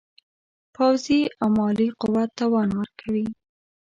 پوځي او مالي قوت توان ورکوي.